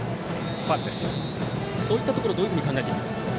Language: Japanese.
そういったところどういうふうに考えていますか？